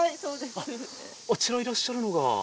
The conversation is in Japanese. あちらにいらっしゃるのが。